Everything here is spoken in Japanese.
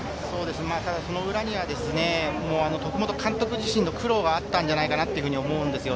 その裏には徳本監督自身の苦労があったのではないかと思うんです。